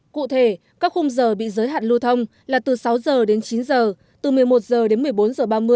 cụ thể các khung giờ bị giới hạn lưu thông là từ sáu giờ đến chín giờ từ một mươi một h đến một mươi bốn h ba mươi